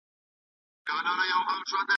په څېړنه کې د حقایقو منل ډېر اړین دي.